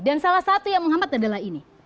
dan salah satu yang menghemat adalah ini